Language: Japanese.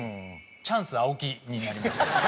チャンス青木になりました。